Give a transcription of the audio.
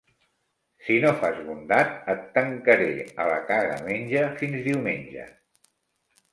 Si no fas bondat, et tancaré a la cagamenja fins diumenge.